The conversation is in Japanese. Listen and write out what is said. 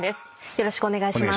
よろしくお願いします。